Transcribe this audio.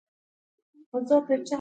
دا د يو بل سره داسې تړلي وي